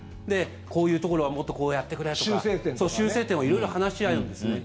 こういうところはもっとこうやってくれとか修正点を色々話し合うんですね。